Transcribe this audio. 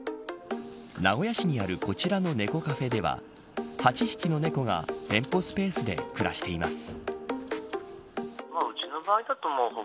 名古屋市にあるこちらの猫カフェでは８匹の猫が店舗スペースで暮らしています。